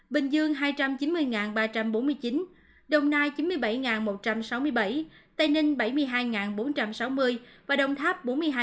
bình dương hai trăm chín mươi ba trăm bốn mươi chín đồng nai chín mươi bảy một trăm sáu mươi bảy tây ninh bảy mươi hai bốn trăm sáu mươi và đồng tháp bốn mươi hai bốn trăm hai mươi sáu